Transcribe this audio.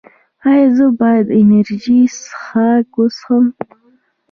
ایا زه باید انرژي څښاک وڅښم؟